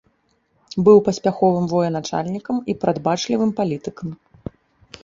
Быў паспяховым военачальнікам і прадбачлівым палітыкам.